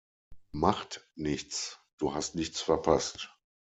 Macht nichts. Du hast nichts verpasst.